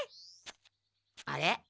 あれ？